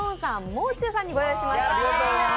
もう中さんにご用意しました。